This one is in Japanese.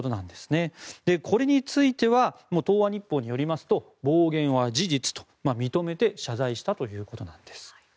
これについては東亜日報によりますと暴言は事実と認めて謝罪したということなんです。